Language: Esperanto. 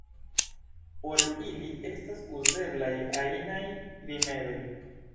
Por ili estas uzeblaj ajnaj rimedoj.